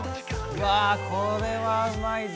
うわ、これはうまいぞ。